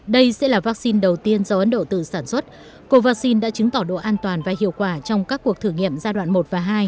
đây sẽ là vaccine đầu tiên do ấn độ tự sản xuất covaxin đã chứng tỏ độ an toàn và hiệu quả trong các cuộc thử nghiệm giai đoạn một và hai